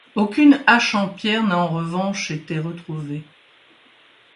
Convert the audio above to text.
Aucune hache en pierre n'a en revanche été retrouvée.